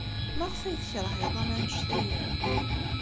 Maɣef ay tekṛeh iḍan anect-a akk?